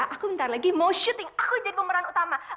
aku bentar lagi mau syuting aku jadi pemeran utama